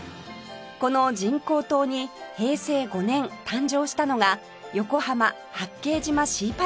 この人工島に平成５年誕生したのが横浜・八景島シーパラダイスです